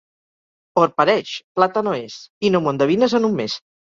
Or pareix, plata no és. I no m'ho endevines en un mes.